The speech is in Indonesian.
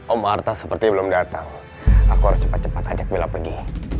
oh marta seperti belum datang aku harus cepat cepat ajak bila pergi